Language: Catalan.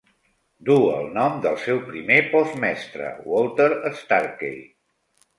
Duu el nom del seu primer postmestre, Walter Starkey.